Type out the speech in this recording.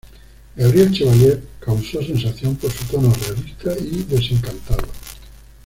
Gabriel Chevallier causó sensación por su tono realista y desencantado.